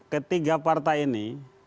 ketiga partai ini